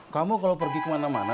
kamu kalau pergi kemana mana